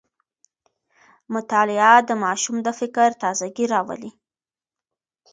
مطالعه د ماشوم د فکر تازه ګي راولي.